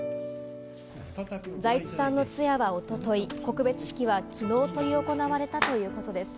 財津さんの通夜はおととい、告別式はきのう、とり行われたということです。